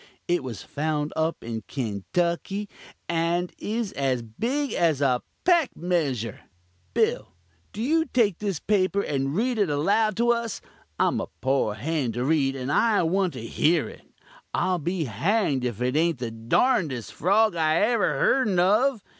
It was found up in Kanetucky, and is as big as a peck measure. Bill, do you take this paper and read it aloud to us. I'm a poor hand to read, and I want to hear it. I'll be hanged if it ain't the darndest frog I ever hearn of."